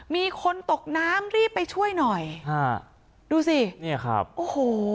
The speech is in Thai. มีคนตกน้ำรีบไปช่วยหน่อยฮะดูสิเนี่ยครับโอ้โห